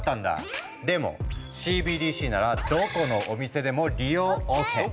でもＣＢＤＣならどこのお店でも利用ＯＫ。